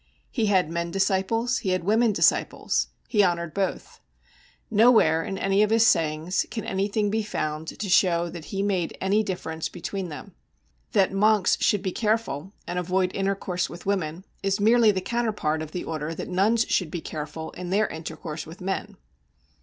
He had men disciples, he had women disciples; he honoured both. Nowhere in any of his sayings can anything be found to show that he made any difference between them. That monks should be careful and avoid intercourse with women is merely the counterpart of the order that nuns should be careful in their intercourse with men.